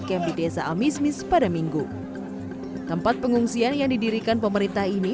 camp di desa amismis pada minggu tempat pengungsian yang didirikan pemerintah ini